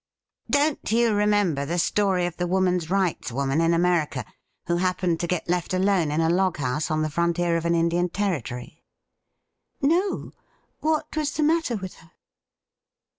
Don't you remember the story of the Woman's Rights woman in America who happened to get left alone in a log house on the frontier of an Indian territory .?'' No. What was the matter with her